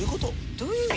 どういう意味？